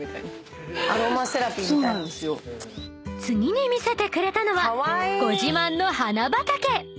［次に見せてくれたのはご自慢の花畑］